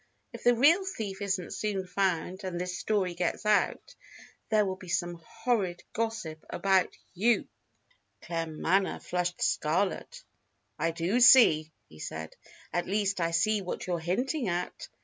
If the real thief isn't soon found, and this story gets out, there will be some horrid gossip about you." Claremanagh flushed scarlet. "I do see," he said. "At least, I see what you're hinting at.